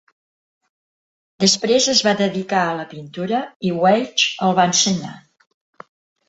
Després es va dedicar a la pintura i Weitsch el va ensenyar.